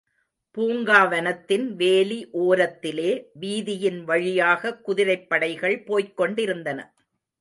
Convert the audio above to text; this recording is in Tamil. பூங்காவனத்தின் வேலி ஓரத்திலே, வீதியின் வழியாக குதிரைப் படைகள் போய்க் கொண்டிருந்தன.